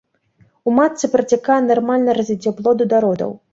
У матцы працякае нармальнае развіццё плоду да родаў.